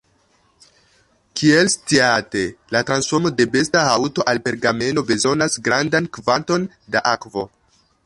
Kiel sciate, la transformo de besta haŭto al pergameno bezonas grandan kvanton da akvo.